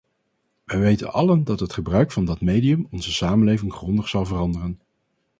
Wij weten allen dat het gebruik van dat medium onze samenleving grondig zal veranderen.